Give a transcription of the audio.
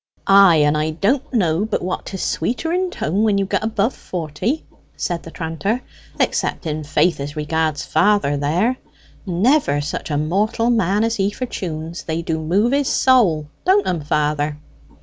"Ay; and I don't know but what 'tis sweeter in tone when you get above forty," said the tranter; "except, in faith, as regards father there. Never such a mortal man as he for tunes. They do move his soul; don't 'em, father?"